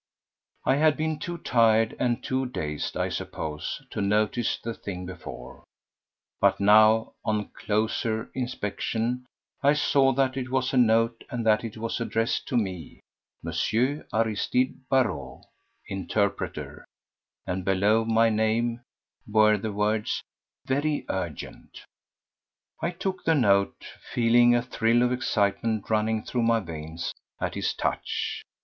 I had been too tired and too dazed, I suppose, to notice the thing before, but now, on closer inspection, I saw that it was a note, and that it was addressed to me: "M. Aristide Barrot, Interpreter," and below my name were the words: "Very urgent." I took the note feeling a thrill of excitement running through my veins at its touch.